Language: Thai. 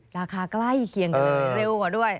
ราคาใกล้เคียงเร็วกว่าด้วย